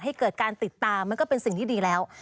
ให้เกิดการติดตามมันก็เป็นสิ่งที่ดีแล้ว